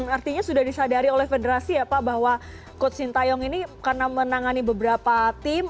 artinya sudah disadari oleh federasi ya pak bahwa coach sintayong ini karena menangani beberapa tim